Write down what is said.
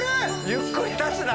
ゆっくり出すな。